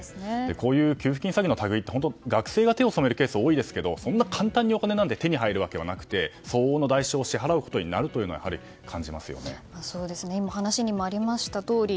こういう給付金詐欺の類いは学生が手を染めるケースが多いですけどそんな簡単にお金なんて手に入るわけはなくて相応の代償を支払うことになるということをお話にもありました通り